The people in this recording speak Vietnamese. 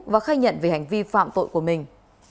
và khai nhận về hành vi phạm tội của mình